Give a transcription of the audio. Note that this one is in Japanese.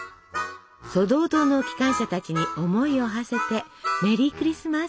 ソドー島の機関車たちに思いをはせてメリー・クリスマス！